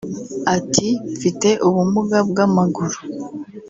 Ati “Mfite ubumuga bw’amaguru